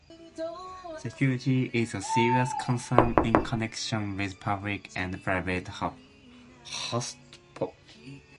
Security is a serious concern in connection with public and private hotspots.